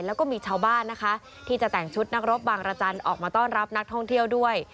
แล้วก็มีชาวบ้านนะคะที่จะแต่งชุดนักรบบางรจันทร์ออกมาต้อนรับนักท่องเที่ยวด้วย